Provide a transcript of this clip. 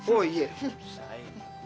oh iya bersaing